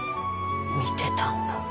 見てたんだ。